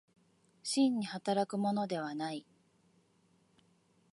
真に働くものではない。